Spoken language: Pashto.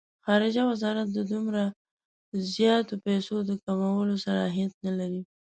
خارجه وزارت د دومره زیاتو پیسو د کمولو صلاحیت نه لري.